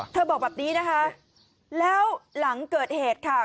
บอกแบบนี้นะคะแล้วหลังเกิดเหตุค่ะ